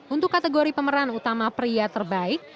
untuk kategori pemeran utama pria terbaik